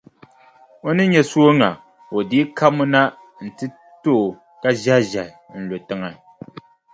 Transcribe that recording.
O ni nya sooŋa, o dii kabimi na nti to o ka ʒɛhiʒɛhi nti lu tiŋa.